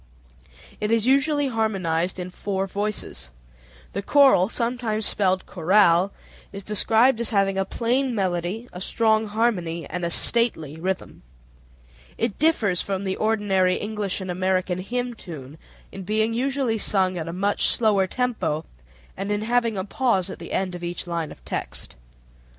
It is usually harmonized in four voices. The choral (sometimes spelled chorale) is described as having "a plain melody, a strong harmony, and a stately rhythm." It differs from the ordinary English and American hymn tune in being usually sung at a much slower tempo, and in having a pause at the end of each line of text.